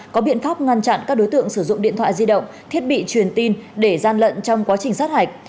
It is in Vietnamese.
có biện pháp ngăn chặn các đối tượng sử dụng điện thoại di động thiết bị truyền tin để gian lận trong quá trình sát hạch